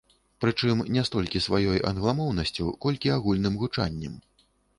Прычым не столькі сваёй англамоўнасцю, колькі агульным гучаннем.